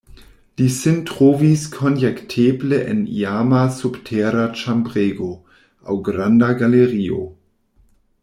Li sin trovis konjekteble en iama subtera ĉambrego aŭ granda galerio.